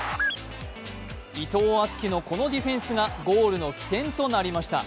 伊藤敦樹のこのディフェンスがゴールの起点となりました。